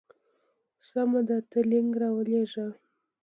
سمه ده ته لینک راولېږه.